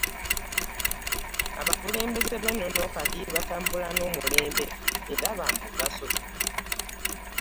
Abakulembeze b’ennono kati batambula n’omulembe era baamugaso